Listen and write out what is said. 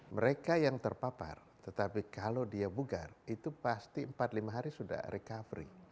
mereka yang terpapar tetapi kalau dia bugar itu pasti empat lima hari sudah recovery